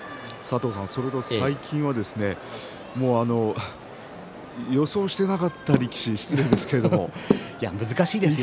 それと最近は予想してなかった力士難しいですよね。